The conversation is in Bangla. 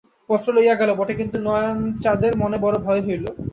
পত্র লইয়া গেল বটে, কিন্তু নয়ানচাঁদের মনে বড় ভয় হইল।